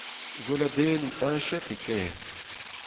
Gweladennoù heñchet e kêr.